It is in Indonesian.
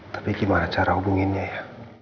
tapi gimana cara hubunginnya ya